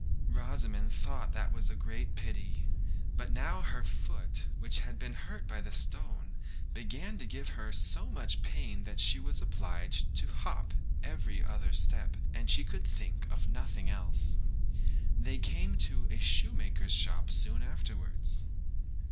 Rosamond thought that was a great pity. But now her foot, which had been hurt by the stone, began to give her so much pain that she was obliged to hop every other step, and she could think of nothing else. They came to a shoemaker's shop soon afterwards.